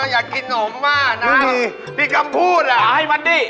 อยากกินนมมากนะ